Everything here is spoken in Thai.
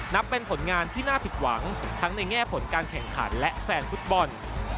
นับเป็นผลงานที่น่าผิดหวังทั้งในแง่ผลการแข่งขันและแฟนฟุตบอล